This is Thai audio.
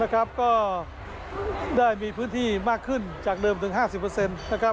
ก็ได้มีพื้นที่มากขึ้นจากเดิมถึง๕๐เปอร์เซ็นต์